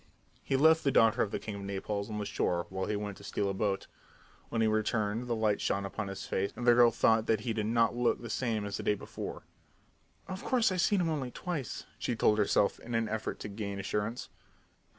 He left the daughter of the king of Naples on the shore while he went to steal a boat. When he returned the light shone upon his face and the girl thought that he did not look the same as the day before. "Of course, I've seen him only twice," she told herself in an effort to gain assurance.